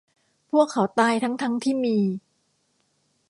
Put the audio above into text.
พวกเขาตายทั้ง ๆ ที่มี